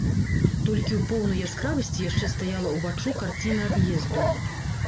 Толькі ў поўнай яскравасці яшчэ стаяла ўваччу карціна ад'езду.